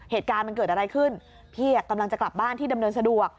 เหตุการณ์มันเกิดอะไรขึ้นพี่กำลังจะกลับบ้านที่ดำเนินสะดวก